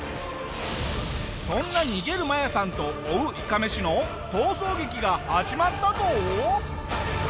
そんな逃げるマヤさんと追ういかめしの逃走劇が始まったぞ！